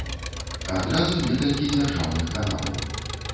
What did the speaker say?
Адразу некалькі дзяржаўных каналаў.